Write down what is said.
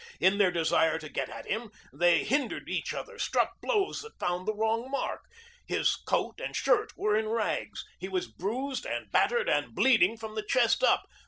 In their desire to get at him they hindered each other, struck blows that found the wrong mark. His coat and shirt were in rags. He was bruised and battered and bleeding from the chest up.